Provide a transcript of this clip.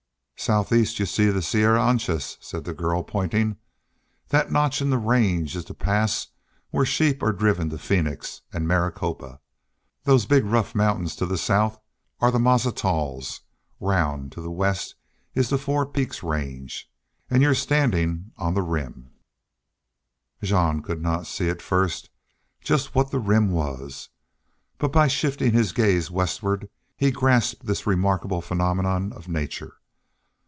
"Southeast y'u see the Sierra Anchas," said the girl pointing. "That notch in the range is the pass where sheep are driven to Phoenix an' Maricopa. Those big rough mountains to the south are the Mazatzals. Round to the west is the Four Peaks Range. An' y'u're standin' on the Rim." Jean could not see at first just what the Rim was, but by shifting his gaze westward he grasped this remarkable phenomenon of nature.